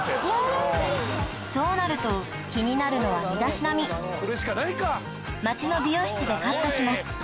そうなると気になるのは身だしなみ街の美容室でカットします